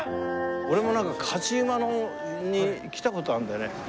俺もなんか勝馬に来た事あるんだよね。